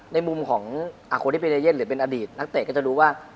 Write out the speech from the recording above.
ในมุมของคนที่เป็นเอเย่นหรือเป็นอดีตนักเตะก็จะรู้ว่า